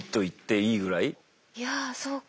いやそうか。